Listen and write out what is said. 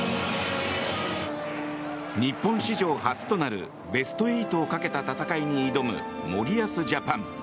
日本史上初となるベスト８をかけた戦いに挑む森保ジャパン。